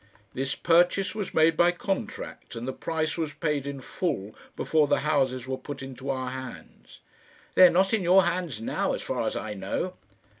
"This purchase was made by contract, and the price was paid in full before the houses were put into our hands." "They are not in your hands now, as far as I know."